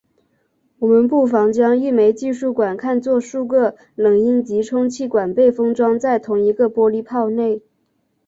我们不妨将一枚计数管看作数个冷阴极充气管被封装在同一个玻璃泡内。